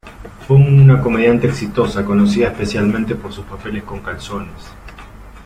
Fue una comediante exitosa, conocida especialmente por sus papeles con calzones.